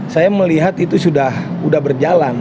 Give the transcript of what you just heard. saya melihat itu sudah berjalan